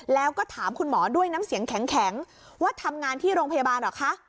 แล้วก็ถามคุณหมอด้วยน้ำเสียงแข็งว่าทำงานที่โรงพยาบาลเหรอคะ